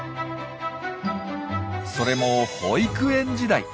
それも保育園時代。